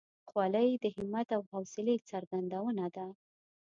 خولۍ د همت او حوصلې څرګندونه ده.